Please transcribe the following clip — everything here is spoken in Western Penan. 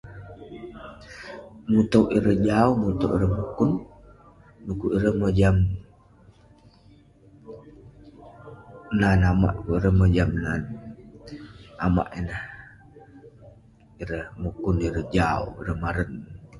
Mutouk ireh jau, mutouk ireh mukun. Dekuk ireh mojam nan amak, dekuk ireh mojam nat amak ineh. Ireh mukun, ireh jau, ireh maren.